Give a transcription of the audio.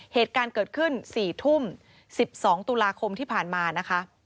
เหตุการณ์เกิดขึ้น๔ทุ่ม๑๒ตุลาคมที่ผ่านมานะคะ